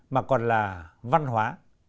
mà còn là văn hóa